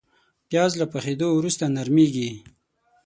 پیاز له پخېدو وروسته نرمېږي